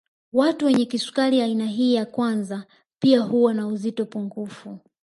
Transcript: Watu wenye kisukari aina hii ya kwanza pia huwa na uzito pungufu